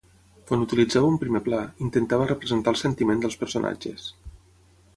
Quan utilitzava un primer pla, intentava representar el sentiment dels personatges.